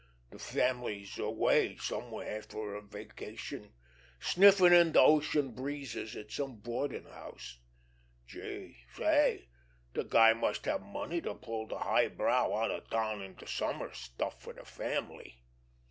De family's away somewhere for a vacation, sniffin' in de ocean breezes at some boardin' house. Gee, say, de guy must have money to pull de high brow, out of town in de summer stuff for de family!"